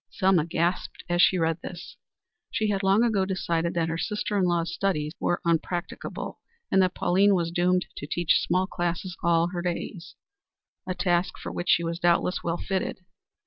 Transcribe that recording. Selma gasped as she read this. She had long ago decided that her sister in law's studies were unpractical, and that Pauline was doomed to teach small classes all her days, a task for which she was doubtless well fitted.